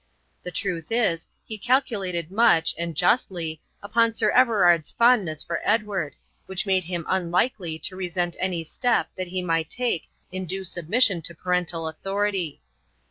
The truth is, he calculated much, and justly, upon Sir Everard's fondness for Edward, which made him unlikely to resent any step that he might take in due submission to parental authority.